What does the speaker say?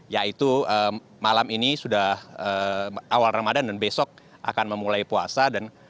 yaitu malam ini sudah awal ramadan dan besok akan memulai puasa